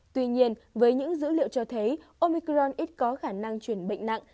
tuy nhiên với những dữ liệu cho thấy omicron ít có khả năng chuyển bệnh nặng